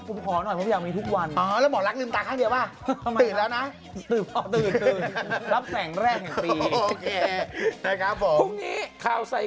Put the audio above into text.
คุณขอหน่อยนะเพราะว่าเราอยู่ทุกวัน